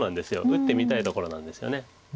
打ってみたいところなんですよね。